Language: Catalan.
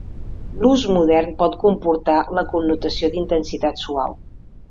L'ús modern pot comportar la connotació d'intensitat suau.